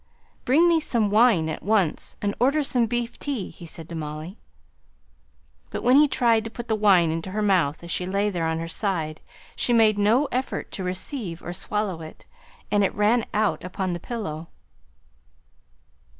"Bring me some wine at once, and order some beef tea," he said to Molly. But when he tried to put the wine into her mouth as she lay there on her side, she made no effort to receive or swallow it, and it ran out upon the pillow.